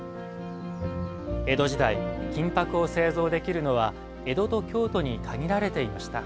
江戸時代金箔を製造できるのは江戸と京都に限られていました。